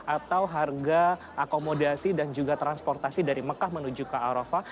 atau harga akomodasi dan juga transportasi dari mekah menuju ke arafah